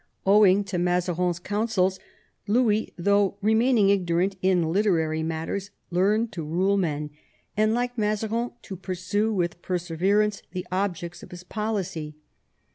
Owing to Mazarin's coun sels, Louis, though remaining ignorant in literary matters, learnt to rule men, and, like Mazarin, to pur sue with perseverance the objects of his policy.